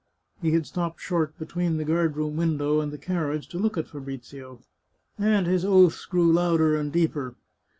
He had stopped short between the guard room window and the carriage to look at Fabrizio, and his oaths grew louder and deeper.